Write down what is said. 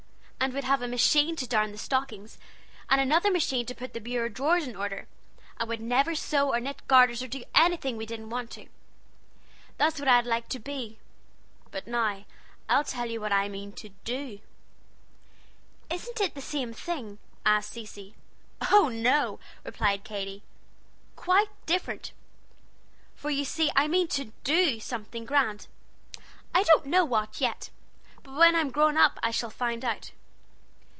And we'd have a machine to darn the stockings, and another machine to put the bureau drawers in order, and we'd never sew or knit garters, or do anything we didn't want to. That's what I'd like to be. But now I'll tell you what I mean to do." "Isn't it the same thing?" asked Cecy. "Oh, no!" replied Katy, "quite different; for you see I mean to do something grand. I don't know what, yet; but when I'm grown up I shall find out."